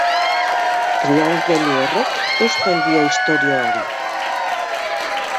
Triangelu horrek eusten dio istorioari.